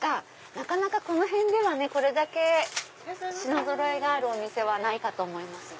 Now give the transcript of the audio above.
なかなかこの辺ではこれだけ品ぞろえがあるお店はないかと思いますね。